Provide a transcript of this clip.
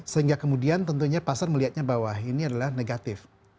sehingga kemudian tentunya pasar melihatnya bahwa ini adalah negatif